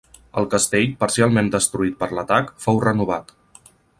El castell, parcialment destruït per l'atac, fou renovat.